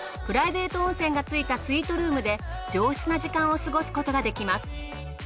プライベート温泉が付いたスイートルームで上質な時間を過ごすことができます。